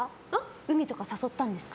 海とか誘ったんですか？